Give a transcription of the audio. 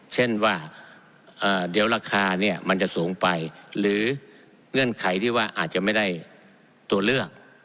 เช่นว่าเดี๋ยวราคาเนี่ยมันจะสูงไปหรือเงื่อนไขที่ว่าอาจจะไม่ได้ตัวเลือก